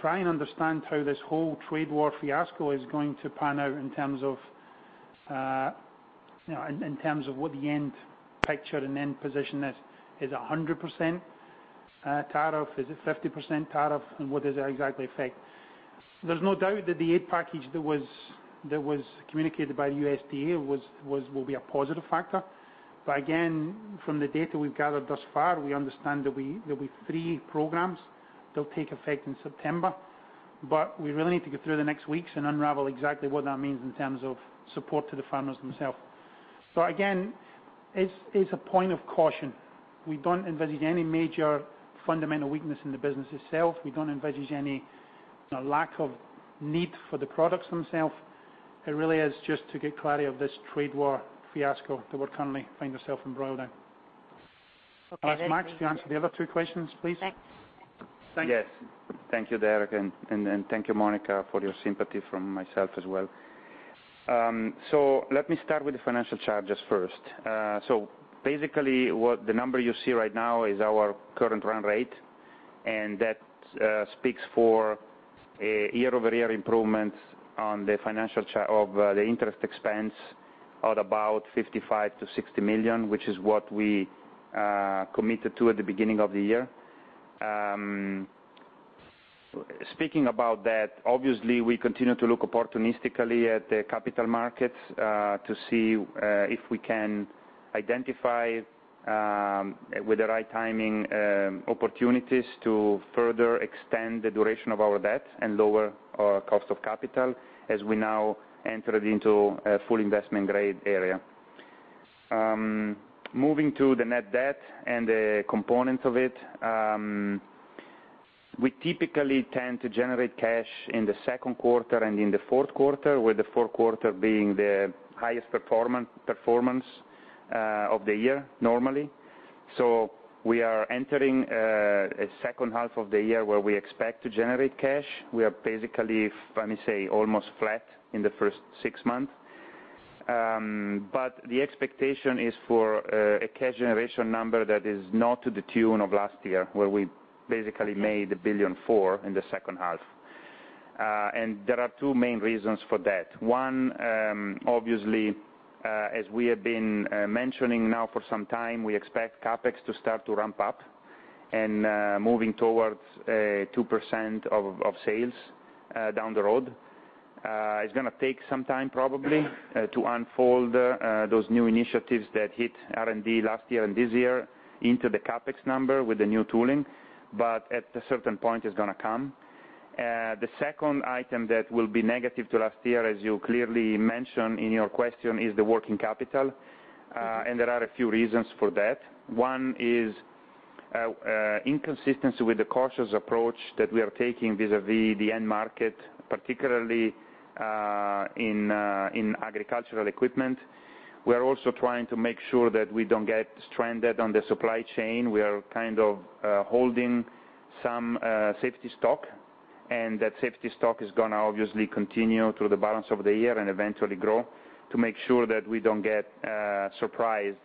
try and understand how this whole trade war fiasco is going to pan out in terms of what the end picture and end position is. Is it 100% tariff? Is it 50% tariff? What does that exactly affect? There's no doubt that the aid package that was communicated by the USDA will be a positive factor. Again, from the data we've gathered thus far, we understand there'll be three programs that'll take effect in September. We really need to get through the next weeks and unravel exactly what that means in terms of support to the farmers themselves. Again, it's a point of caution. We don't envisage any major fundamental weakness in the business itself. We don't envisage any lack of need for the products themselves. It really is just to get clarity of this trade war fiasco that we currently find ourselves embroiled in. Okay, thank you. I'll ask Max to answer the other two questions, please. Thanks. Thank you. Yes. Thank you, Derek, and thank you, Monica, for your sympathy from myself as well. Let me start with the financial charges first. Basically, the number you see right now is our current run rate, and that speaks for a year-over-year improvement of the interest expense at about $55 million-$60 million, which is what we committed to at the beginning of the year. Speaking about that, obviously, we continue to look opportunistically at the capital markets to see if we can identify, with the right timing, opportunities to further extend the duration of our debt and lower our cost of capital as we now entered into a full investment grade area. Moving to the net debt and the components of it. We typically tend to generate cash in the second quarter and in the fourth quarter, with the fourth quarter being the highest performance of the year, normally. We are entering a second half of the year where we expect to generate cash. We are basically, let me say, almost flat in the first six months. The expectation is for a cash generation number that is not to the tune of last year, where we basically made $1.4 billion in the second half. There are two main reasons for that. One, obviously, as we have been mentioning now for some time, we expect CapEx to start to ramp up and moving towards 2% of sales down the road. It's gonna take some time, probably, to unfold those new initiatives that hit R&D last year and this year into the CapEx number with the new tooling, but at a certain point it's gonna come. The second item that will be negative to last year, as you clearly mentioned in your question, is the working capital. There are a few reasons for that. One is in consistency with the cautious approach that we are taking vis-a-vis the end market, particularly in agricultural equipment. We are kind of holding some safety stock, and that safety stock is going to obviously continue through the balance of the year and eventually grow to make sure that we don't get surprised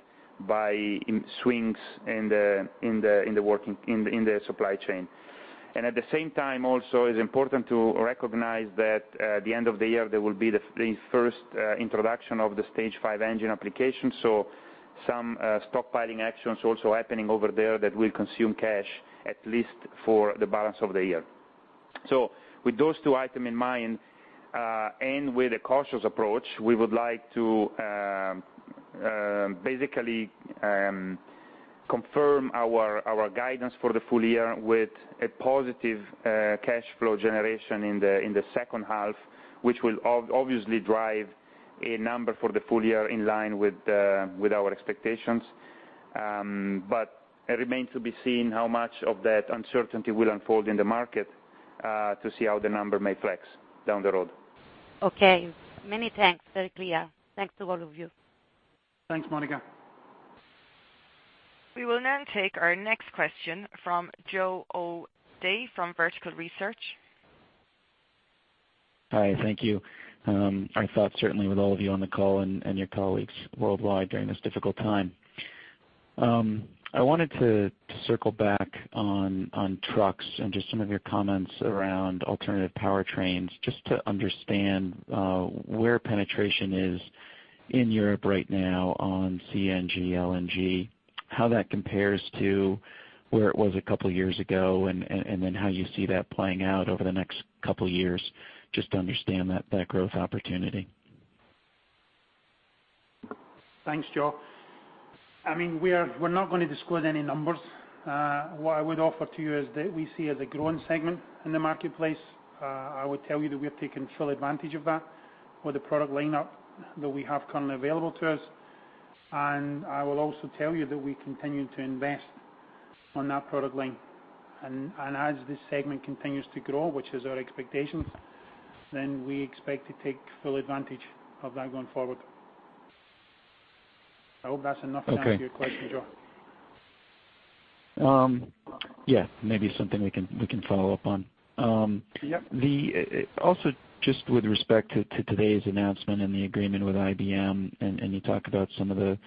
by swings in the supply chain. At the same time, also, it's important to recognize that at the end of the year, there will be the first introduction of the Stage V engine application. Some stockpiling actions also happening over there that will consume cash at least for the balance of the year. With those two items in mind, and with a cautious approach, we would like to basically confirm our guidance for the full year with a positive cash flow generation in the second half, which will obviously drive a number for the full year in line with our expectations. It remains to be seen how much of that uncertainty will unfold in the market to see how the number may flex down the road. Okay. Many thanks, very clear. Thanks to all of you. Thanks, Monica. We will now take our next question from Joe O'Dea from Vertical Research. Hi, thank you. Our thoughts certainly with all of you on the call and your colleagues worldwide during this difficult time. I wanted to circle back on trucks and just some of your comments around alternative powertrains, just to understand where penetration is in Europe right now on CNG, LNG, how that compares to where it was a couple of years ago, and then how you see that playing out over the next couple of years, just to understand that growth opportunity. Thanks, Joe. We're not going to disclose any numbers. What I would offer to you is that we see it as a growing segment in the marketplace. I would tell you that we are taking full advantage of that with the product lineup that we have currently available to us. I will also tell you that we continue to invest on that product line. As this segment continues to grow, which is our expectation, we expect to take full advantage of that going forward. I hope that's enough answer to your question, Joe. Okay. Yeah, maybe something we can follow up on. Yep. Also, just with respect to today's announcement and the agreement with IBM, you talked about some of the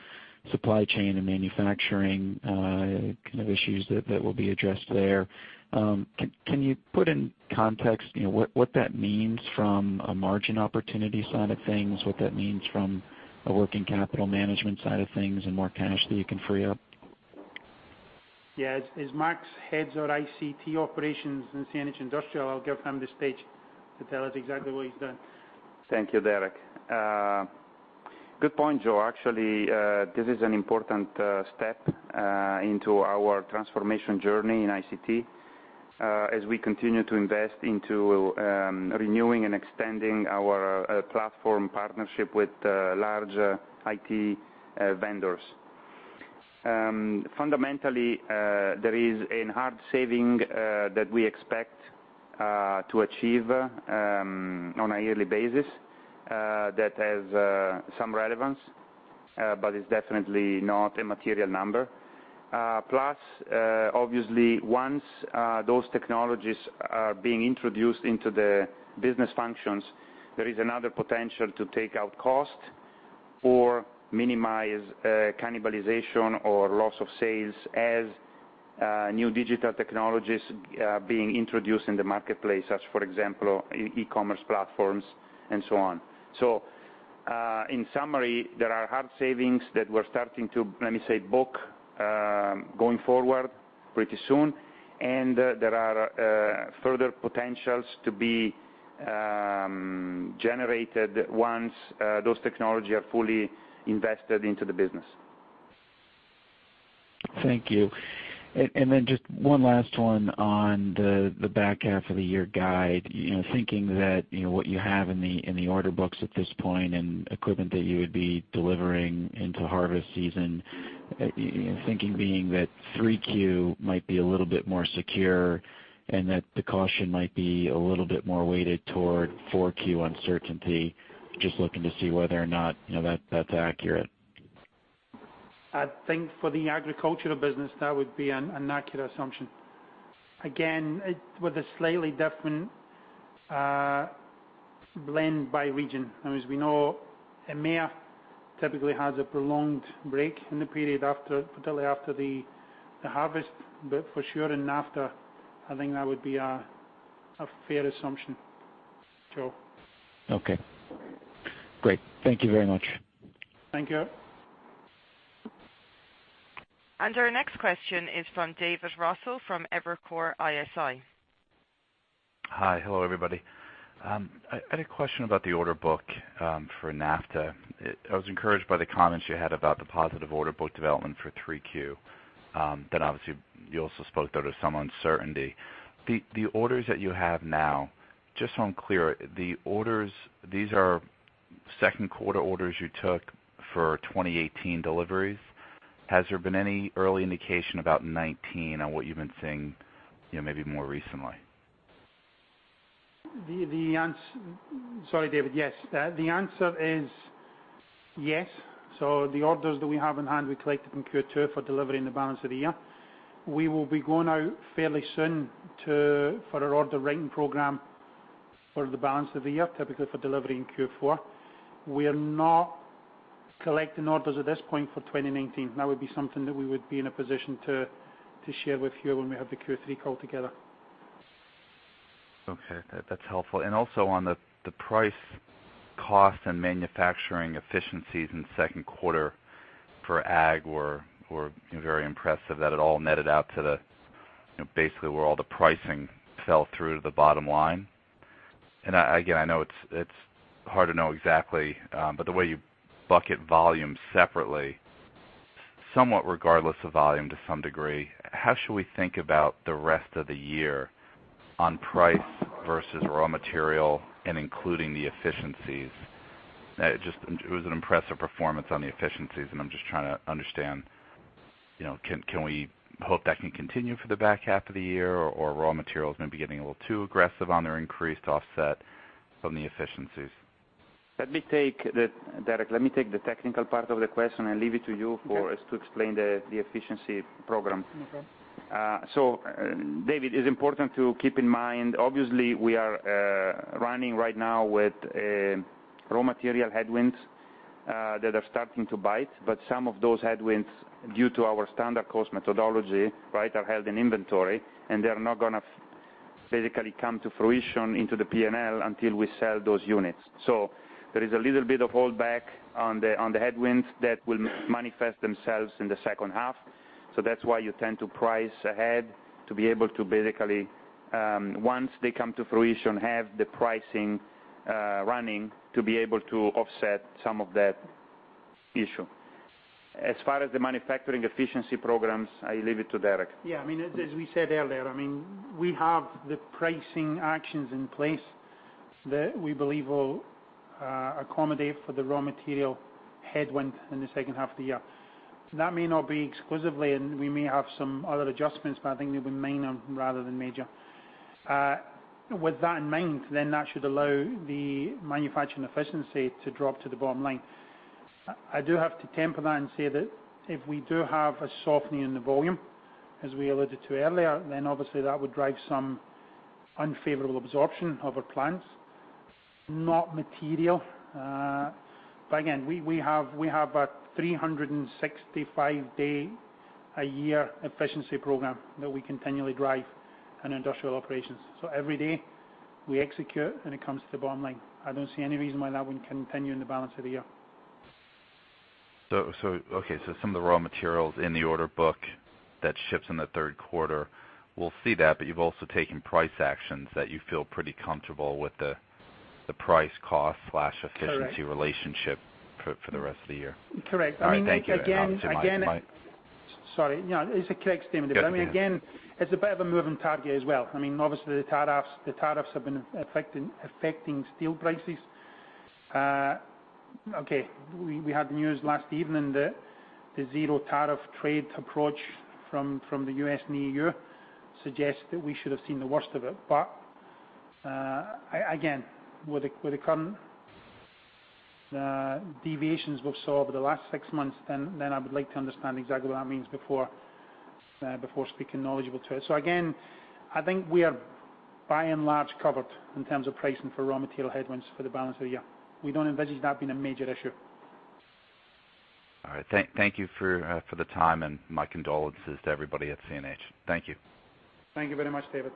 supply chain and manufacturing kind of issues that will be addressed there. Can you put in context what that means from a margin opportunity side of things, what that means from a working capital management side of things and more cash that you can free up? Yeah. As Max heads our ICT operations in CNH Industrial, I'll give him the stage to tell us exactly what he's done. Thank you, Derek. Good point, Joe. Actually, this is an important step into our transformation journey in ICT, as we continue to invest into renewing and extending our platform partnership with large IT vendors. Fundamentally, there is a hard saving that we expect to achieve on a yearly basis that has some relevance, but it's definitely not a material number. Plus, obviously, once those technologies are being introduced into the business functions, there is another potential to take out cost or minimize cannibalization or loss of sales as new digital technologies being introduced in the marketplace, as, for example, e-commerce platforms and so on. In summary, there are hard savings that we're starting to, let me say, book going forward pretty soon. There are further potentials to be generated once those technology are fully invested into the business. Thank you. Then just one last one on the back half of the year guide. Thinking that what you have in the order books at this point and equipment that you would be delivering into harvest season, thinking being that three Q might be a little bit more secure and that the caution might be a little bit more weighted toward four Q uncertainty. Just looking to see whether or not that's accurate. I think for the agricultural business, that would be an accurate assumption. Again, with a slightly different blend by region. As we know, EMEA typically has a prolonged break in the period after, particularly after the harvest. For sure in NAFTA, I think that would be a fair assumption, Joe. Okay. Great. Thank you very much. Thank you. Our next question is from David Raso from Evercore ISI. Hi, hello, everybody. I had a question about the order book for NAFTA. I was encouraged by the comments you had about the positive order book development for three Q. Obviously you also spoke, though, to some uncertainty. The orders that you have now, just so I'm clear, the orders, these are Second quarter orders you took for 2018 deliveries, has there been any early indication about 2019 on what you've been seeing maybe more recently? Sorry, David. Yes. The answer is yes. The orders that we have in hand, we collected from Q2 for delivery in the balance of the year. We will be going out fairly soon for our order writing program for the balance of the year, typically for delivery in Q4. We are not collecting orders at this point for 2019. That would be something that we would be in a position to share with you when we have the Q3 call together. That's helpful. Also on the price, cost, and manufacturing efficiencies in second quarter for Ag were very impressive that it all netted out to basically where all the pricing fell through to the bottom line. Again, I know it's hard to know exactly, but the way you bucket volume separately, somewhat regardless of volume to some degree, how should we think about the rest of the year on price versus raw material and including the efficiencies? It was an impressive performance on the efficiencies, and I'm just trying to understand, can we hope that can continue for the back half of the year, or raw materials may be getting a little too aggressive on their increased offset from the efficiencies? Derek, let me take the technical part of the question and leave it to you for as to explain the efficiency program. Okay. David, it's important to keep in mind, obviously, we are running right now with raw material headwinds that are starting to bite. Some of those headwinds, due to our standard cost methodology, are held in inventory, and they are not going to physically come to fruition into the P&L until we sell those units. There is a little bit of hold back on the headwinds that will manifest themselves in the second half. That's why you tend to price ahead to be able to basically, once they come to fruition, have the pricing running to be able to offset some of that issue. As far as the manufacturing efficiency programs, I leave it to Derek. Yeah. As we said earlier, we have the pricing actions in place that we believe will accommodate for the raw material headwind in the second half of the year. That may not be exclusively, and we may have some other adjustments, but I think they'll be minor rather than major. With that in mind, then that should allow the manufacturing efficiency to drop to the bottom line. I do have to temper that and say that if we do have a softening in the volume, as we alluded to earlier, then obviously that would drive some unfavorable absorption of our plans. Not material. Again, we have a 365-day a year efficiency program that we continually drive in industrial operations. Every day we execute when it comes to the bottom line. I don't see any reason why that wouldn't continue in the balance of the year. Okay. Some of the raw materials in the order book that ships in the third quarter, we'll see that, but you've also taken price actions that you feel pretty comfortable with the price cost/efficiency. Correct Relationship for the rest of the year. Correct. All right, thank you. Again. I'll optimize my- Sorry. No, it's a correct statement. Good. Yeah. It's a bit of a moving target as well. Obviously, the tariffs have been affecting steel prices. Okay. We had news last evening that the zero tariff trade approach from the U.S. and E.U. suggests that we should have seen the worst of it. Again, with the current deviations we've saw over the last six months, I would like to understand exactly what that means before speaking knowledgeably to it. Again, I think we are by and large covered in terms of pricing for raw material headwinds for the balance of the year. We don't envisage that being a major issue. All right. Thank you for the time and my condolences to everybody at CNH. Thank you. Thank you very much, David.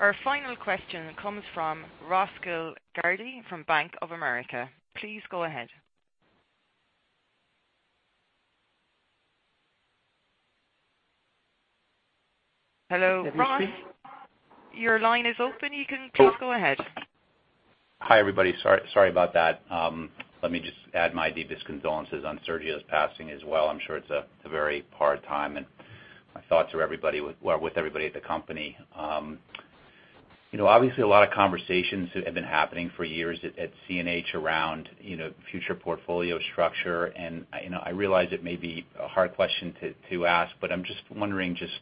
Our final question comes from Ross Gilardi from Bank of America. Please go ahead. Hello, Ross. Can you hear me? Your line is open. You can please go ahead. Hi, everybody. Sorry about that. Let me just add my deepest condolences on Sergio's passing as well. I'm sure it's a very hard time, and my thoughts are with everybody at the company. Obviously, a lot of conversations have been happening for years at CNH around future portfolio structure, and I realize it may be a hard question to ask, but I'm just wondering just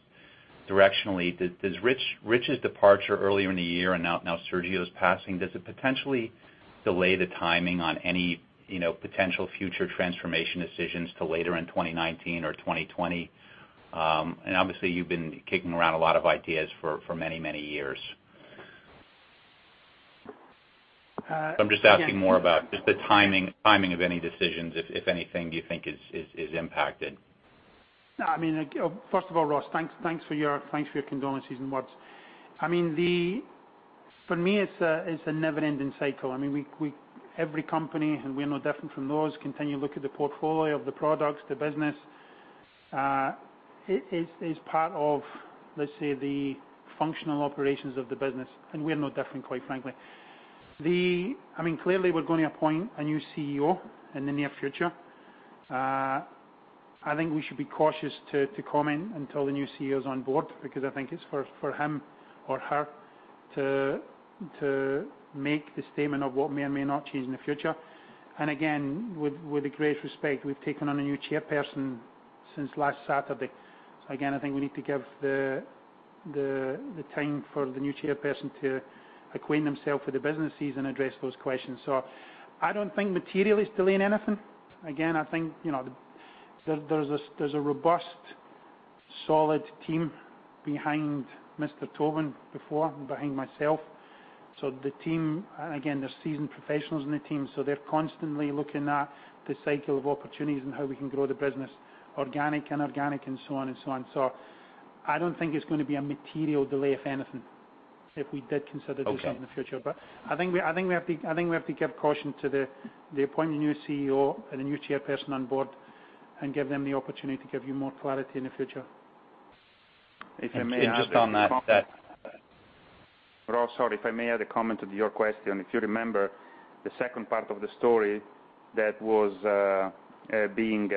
directionally. Does Rich's departure earlier in the year and now Sergio's passing, does it potentially delay the timing on any potential future transformation decisions till later in 2019 or 2020? Obviously, you've been kicking around a lot of ideas for many, many years. Again- I'm just asking more about just the timing of any decisions, if anything you think is impacted. No. First of all, Ross, thanks for your condolences and words. For me, it's a never-ending cycle. Every company, and we're no different from those, continue to look at the portfolio of the products, the business. It's part of, let's say, the functional operations of the business, and we're no different, quite frankly. Clearly, we're going to appoint a new CEO in the near future. I think we should be cautious to comment until the new CEO is on board, because I think it's for him or her to make the statement of what may or may not change in the future. Again, with the greatest respect, we've taken on a new Chairperson since last Saturday. Again, I think we need to give the time for the new Chairperson to acquaint themselves with the businesses and address those questions. I don't think material is delaying anything. I think there's a robust, solid team behind Mr. Tobin before, and behind myself. The team, again, they're seasoned professionals in the team, they're constantly looking at the cycle of opportunities and how we can grow the business, organic, inorganic, and so on. I don't think it's going to be a material delay, if anything, if we did consider doing something in the future. Okay. I think we have to give caution to the appointment of a new CEO and a new chairperson on board, and give them the opportunity to give you more clarity in the future. Just on that. Ross, sorry, if I may add a comment to your question. If you remember, the second part of the story that was being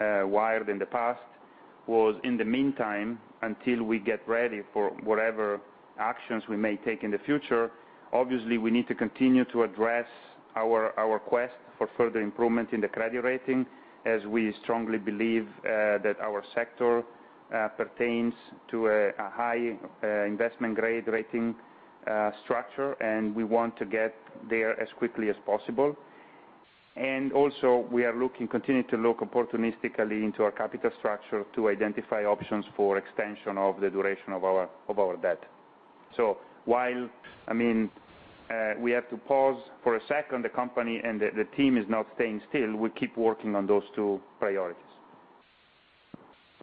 wired in the past was, in the meantime, until we get ready for whatever actions we may take in the future, obviously, we need to continue to address our quest for further improvement in the credit rating as we strongly believe that our sector pertains to a high investment grade rating structure, and we want to get there as quickly as possible. Also, we are continuing to look opportunistically into our capital structure to identify options for extension of the duration of our debt. While we have to pause for a second, the company and the team is not staying still. We keep working on those two priorities.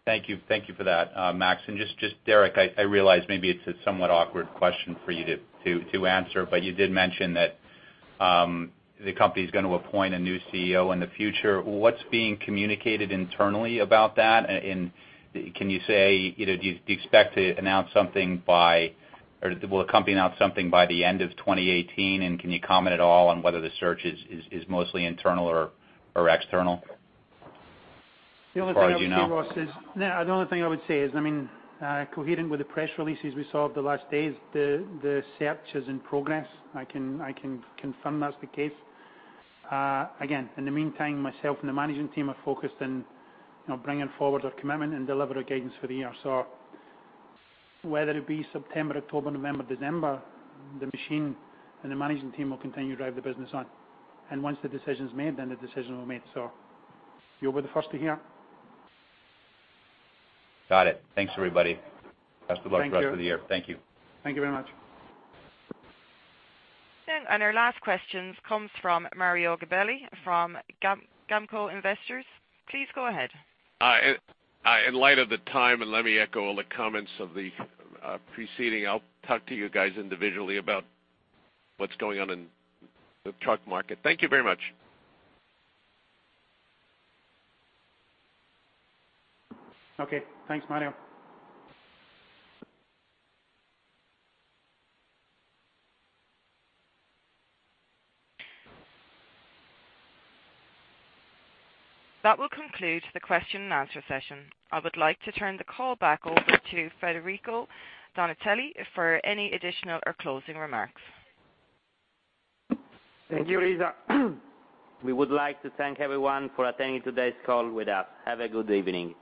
Thank you for that, Max. Just, Derek, I realize maybe it's a somewhat awkward question for you to answer, but you did mention that the company's going to appoint a new CEO in the future. What's being communicated internally about that, and can you say, or will the company announce something by the end of 2018, and can you comment at all on whether the search is mostly internal or external as far as you know? The only thing I would say, Ross, is coherent with the press releases we saw over the last days, the search is in progress. I can confirm that's the case. Again, in the meantime, myself and the management team are focused on bringing forward our commitment and deliver our guidance for the year. Whether it be September, October, November, December, the machine and the management team will continue to drive the business on. Once the decision's made, then the decision will be made. You'll be the first to hear. Got it. Thanks, everybody. Best of luck for Thank you the rest of the year. Thank you. Thank you very much. Our last question comes from Mario Gabelli from GAMCO Investors. Please go ahead. In light of the time, and let me echo all the comments of the preceding, I'll talk to you guys individually about what's going on in the truck market. Thank you very much. Okay, thanks, Mario. That will conclude the question and answer session. I would like to turn the call back over to Federico Donati for any additional or closing remarks. Thank you, Lisa. We would like to thank everyone for attending today's call with us. Have a good evening.